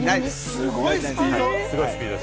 すごいスピード。